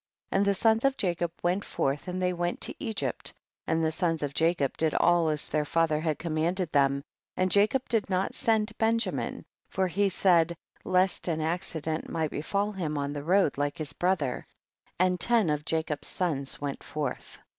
And the sons of Jacob went forth and they went to Egypt, and the sons of Jacob did all as their father had commanded them, and Jacob did not send Benjamin, for he said, lest an accident might befall him on the road like his brother ; and ten of Ja cob's sons went forth.